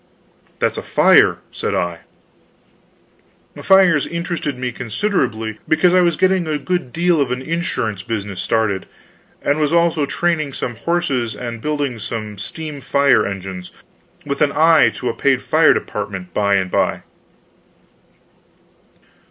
"That's a fire," said I. Fires interested me considerably, because I was getting a good deal of an insurance business started, and was also training some horses and building some steam fire engines, with an eye to a paid fire department by and by.